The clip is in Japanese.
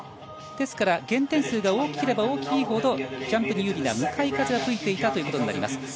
ですから減点数が大きければ大きいほどジャンプに有利な向かい風が吹いていたということになります。